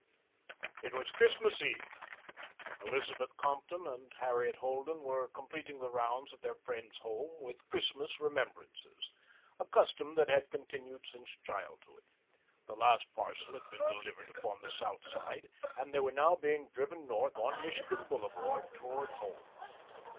It was Christmas Eve. Elizabeth Compton and Harriet Holden were completing the rounds of their friends' homes with Christmas remembrances a custom that they had continued since childhood. The last parcel had been delivered upon the South Side, and they were now being driven north on Michigan Boulevard toward home.